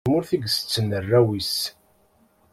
Deg tmurt i tetten arraw-is.